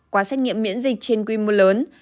qua xét nghiệm miễn dịch trên quy mô lớn